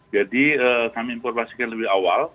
jadi kami informasikan lebih awal